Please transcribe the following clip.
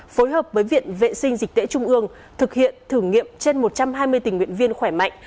phối hợp với viện vệ sinh dịch tễ trung ương thực hiện thử nghiệm trên một trăm hai mươi tình nguyện viên khỏe mạnh